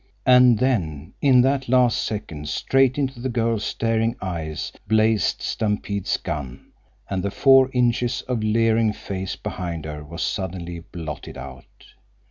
And then, in that last second, straight into the girl's staring eyes blazed Stampede's gun, and the four inches of leering face behind her was suddenly blotted out.